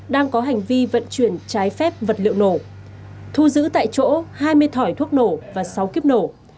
đang có hành vi vận chuyển trái phép vật liệu nổ thu giữ tại chỗ hai mươi thỏi thuốc nổ và sáu kíp nổ